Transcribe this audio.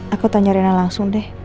aku tanya rina langsung deh